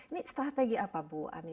ini strategi apa bu ani